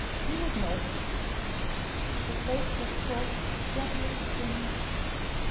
He would know! The place was full of a jugglery of dim lights.